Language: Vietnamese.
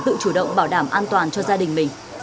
các hộ dân tự chủ động bảo đảm an toàn cho gia đình mình